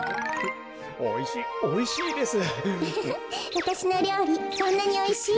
わたしのりょうりそんなにおいしい？